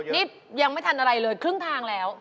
นี่ยังไม่ทันอะไรเลยครึ่งทางแล้ว